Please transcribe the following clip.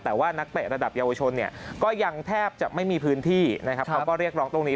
แต่ว่านักเตะระดับเยาวชนเนี่ยก็ยังแทบจะไม่มีพื้นที่นะครับเขาก็เรียกร้องตรงนี้